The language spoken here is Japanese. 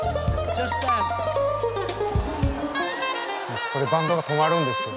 ここでバンドが止まるんですよ。